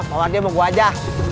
pak wardi mau gue aja